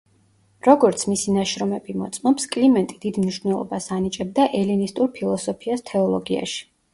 როგორც მისი ნაშრომები მოწმობს, კლიმენტი დიდ მნიშვნელობას ანიჭებდა ელინისტურ ფილოსოფიას თეოლოგიაში.